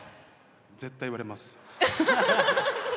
絶対言われます。